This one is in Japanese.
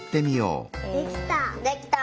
できた。